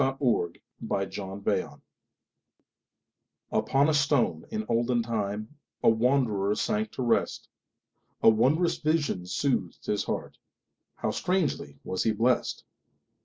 Isaacs Pillow and Stone UPON a stone in olden timeA wanderer sank to rest.A wondrous vision soothed his heartHow strangely was he blessed!